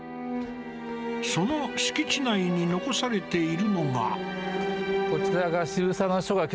その敷地内に残されているのが。